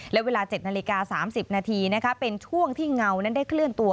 และเวลา๗นาฬิกา๓๐นาทีเป็นช่วงที่เงานั้นได้เคลื่อนตัว